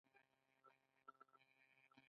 د ژبې پاکوالی د معنا په روښانتیا کې دی.